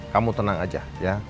kamu tenang aja ya